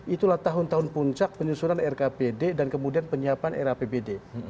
itulah tahun tahun puncak penyusunan rkpd dan kemudian penyiapan rapbd